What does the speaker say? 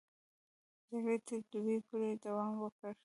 جګړې تر دوبي پورې دوام وکړ.